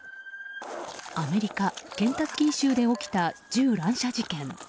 アメリカ・ケンタッキー州で起きた、銃乱射事件。